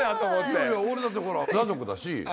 いやいや俺だってほら裸族だし。